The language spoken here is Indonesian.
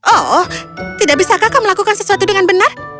oh tidak bisakah kamu melakukan sesuatu dengan benar